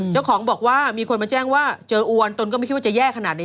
เจ้าของบอกว่ามีคนมาแจ้งว่าเจออวนตนก็ไม่คิดว่าจะแย่ขนาดนี้